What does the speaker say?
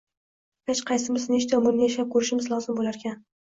har qaysimiz nechta umrni yashab ko‘rishimiz lozim bo‘larkan?..